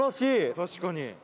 「確かに！」